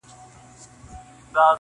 بېگناه به قصاصېږي په بازار كي -